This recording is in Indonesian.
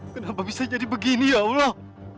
kenapa bisa jadi begini ya allah